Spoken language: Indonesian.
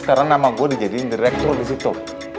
karena nama gue dijadiin direktur disitu